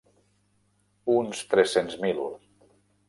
Uns tres-cents mil.